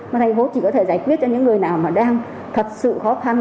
mà thành phố chỉ có thể giải quyết cho những người nào mà đang thật sự khó khăn